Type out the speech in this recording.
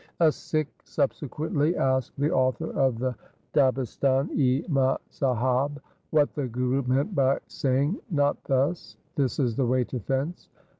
A Sikh subsequently asked the author of the Dabistan i Mazahab, what the Guru meant by say ing, 'Not thus; this is the way to fence.'